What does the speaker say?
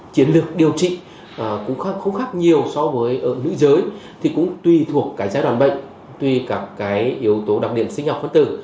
chiến lược điều trị cũng khác nhiều so với ở nữ giới thì cũng tùy thuộc cái giai đoạn bệnh tùy cả cái yếu tố đặc điểm sinh học phân tử